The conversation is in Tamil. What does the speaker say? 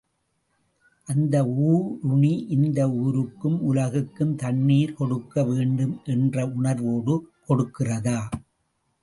அந்த ஊருணி இந்த ஊருக்கும் உலகுக்கும் தண்ணீர் கொடுக்க வேண்டும் என்ற உணர்வோடு கொடுக்கிறதா?